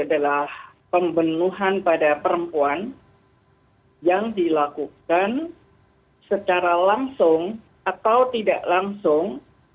adalah pembunuhan pada perempuan yang dilakukan secara langsung atau tidak langsung